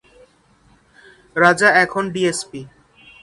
রাজা এখন ডিএসপি।